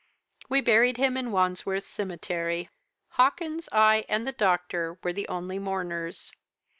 We buried him in Wandsworth Cemetery; Hawkins, I, and the doctor were the only mourners.